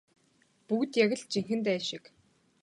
Бүгд яг л жинхэнэ дайн шиг.